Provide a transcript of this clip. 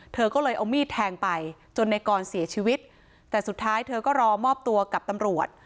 เธอก็เลยเอามีดแทงไปจนในกรเสียชีวิตแต่สุดท้ายเธอก็รอมอบตัวกับตำรวจ